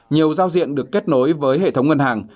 nhiều giao diện được kết nối với hệ thống ngân hàng